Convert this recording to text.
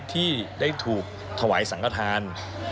ที่ได้ถูกถวายสังขทาน